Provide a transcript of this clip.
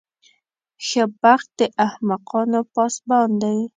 ښه بخت د احمقانو پاسبان دی.